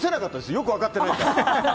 よく分かってないから。